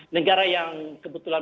negara yang kebetulan